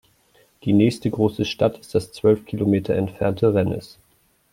Die nächste große Stadt ist das zwölf Kilometer entfernte Rennes.